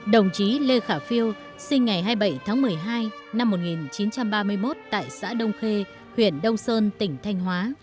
đồng chí lê khả phiêu sinh ngày hai mươi bảy tháng một mươi hai năm một nghìn chín trăm ba mươi một tại xã đông khê huyện đông sơn tỉnh thanh hóa